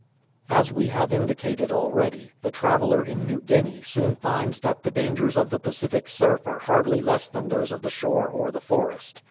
As we have indicated already, the traveller in New Guinea soon finds that the dangrers of the Pacific surf are o hardly less than those of the shore or the forest.